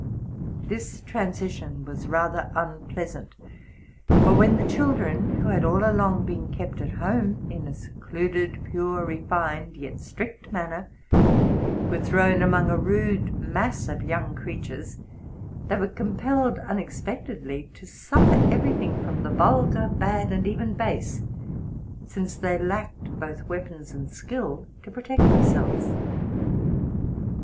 This transition was rather unpleasant; for, when the chil RELATING TO MY LIFE. 15 dren, who had all along been kept at home in a secluded, pure, refined, yet strict manner, were thrown among a rude mass of young creatures, they were compelled unex pectedly to suffer every thing from the vulgar, bad, and even base, since they lacked both weapons and skill to protect themselves.